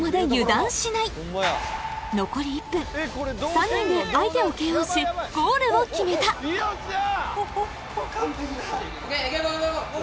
３人で相手をＫＯしゴールを決めたよっしゃ！